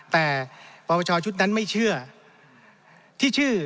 แต่ประประชาชุดนั้นไม่เชื่อ